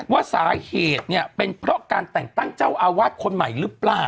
ว่าสาเหตุเนี่ยเป็นเพราะการแต่งตั้งเจ้าอาวาสคนใหม่หรือเปล่า